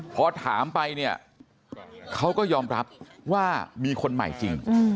พอถามไปเนี่ยเขาก็ยอมรับว่ามีคนใหม่จริง